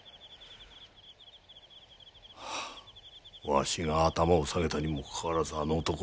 わしが頭を下げたにもかかわらずあの男。